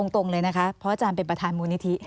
ตรงเลยนะคะเพราะอาจารย์เป็นประธานมูลนิธิ